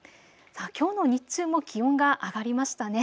きょうの日中も気温が上がりましたね。